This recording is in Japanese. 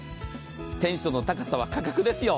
テンションの高さはこの価格なんですよ。